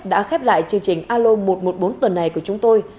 đã khép lại chương trình alo một trăm một mươi bốn tuần này của chúng tôi